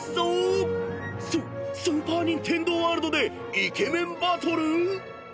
［ススーパー・ニンテンドー・ワールドでイケメンバトル⁉］